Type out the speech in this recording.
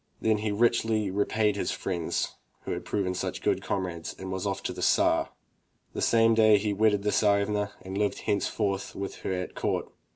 Then he richly repaid the friends who had proven such good comrades and was off to the Tsar. That same day he wedded the Tsarevna and lived henceforth with her at court.